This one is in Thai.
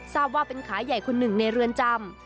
ทราบว่าเป็นขาใหญ่คนหนึ่งในเรือนจำ